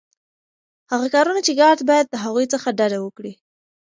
هغه کارونه چي ګارډ باید د هغوی څخه ډډه وکړي.